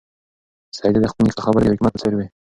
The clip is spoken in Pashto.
سعید ته د خپل نیکه خبرې د یو حکمت په څېر وې.